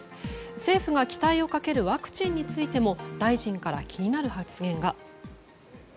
政府が期待をかけるワクチンについても大臣から気になる発言が。